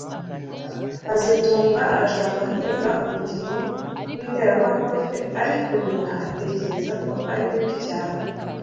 kazitunga arashaka kwiga umukino witeramakofe ariko nyina atekereza ko ari bibi cyane